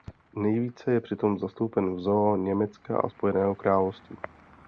Nejvíce je přitom zastoupen v zoo Německa a Spojeného království.